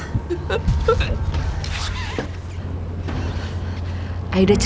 kayaknya kamu jadi gadis ni di passé